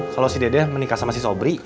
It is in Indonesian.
kalau si dede menikah sama si sobri